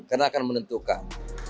karena akan menentukan